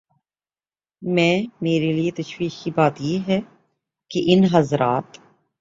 میں میرے لیے تشویش کی بات یہ ہے کہ ان حضرات